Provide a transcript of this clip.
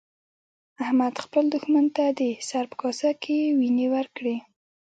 احمد خپل دوښمن ته د سر په کاسه کې وينې ورکړې.